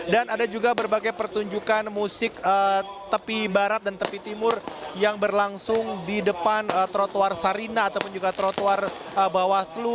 dan ada juga berbagai pertunjukan musik tepi barat dan tepi timur yang berlangsung di depan trotuar sarina ataupun juga trotuar bawaslu